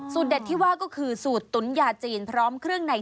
เด็ดที่ว่าก็คือสูตรตุ๋นยาจีนพร้อมเครื่องใน